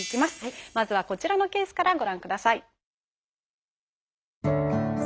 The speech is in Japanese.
まずはこちらのケースからご覧ください。